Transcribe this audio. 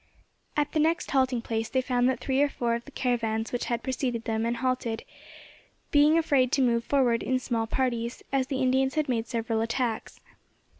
At the next halting place they found that three or four of the caravans which had preceded them had halted, being afraid to move forward in small parties, as the Indians had made several attacks.